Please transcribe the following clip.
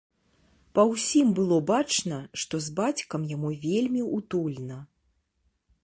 Па ўсім было бачна, што з бацькам яму вельмі утульна.